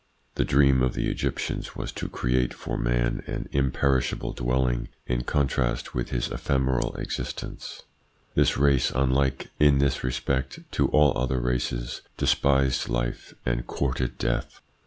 The dream of the Egyptians was to create for man an imperishable dwelling in contrast with his ephemeral ITS INFLUENCE ON THEIR EVOLUTION 103 existence. This race, unlike, in this respect, to all other races, despised life, and courted death.